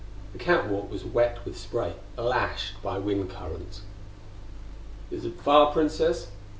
The catwalk was wet with spray; lashed by wind currents. "Is it far, Princess?